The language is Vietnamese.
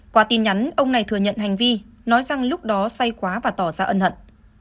qua tin nhắn ông này thừa nhận hành vi nói rằng lúc đó say quá và tỏ ra ân hận